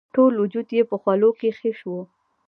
ټول وجود یې په خولو کې خیشت وو.